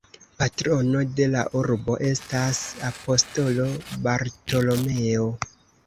Patrono de la urbo estas Apostolo Bartolomeo.